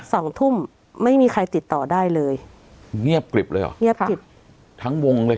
สองทุ่มไม่มีใครติดต่อได้เลยเงียบกริบเลยเหรอเงียบกริบทั้งวงเลย